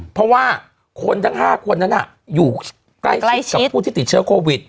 เพราะว่าคนทั้ง๕คนนั้นอยู่ใกล้ชิดกับผู้ที่ติดเชื้อโควิด